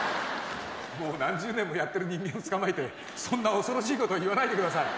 もう何十年もやってる人間をつかまえてそんな恐ろしいことを言わないでください。